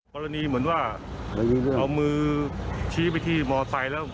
กรณีเหมือนว่าเอามือชี้ไปที่มอไซค์แล้ว